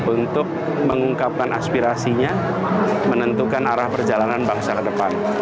untuk mengungkapkan aspirasinya menentukan arah perjalanan bangsa ke depan